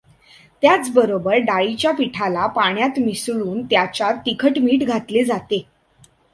त्याचबरोबर डाळीच्या पिठाला पाण्यात मिसळून त्याच्यात तिखट मीठ घातले जाते.